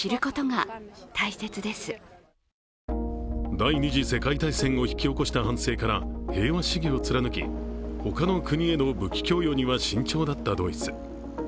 第二次世界大戦後引き起こした反省から平和主義を貫き他の国への武器供与には慎重だったドイツ。